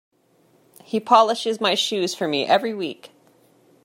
He polishes my shoes for me every week.